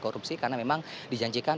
korupsi karena memang dijanjikan